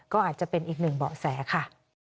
ก็อาจจะเป็นอีกหนึ่งเบาะแสค่ะ